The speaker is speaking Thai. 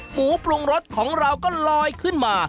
หมูปรุงรสของเราก็ลอยขึ้นมา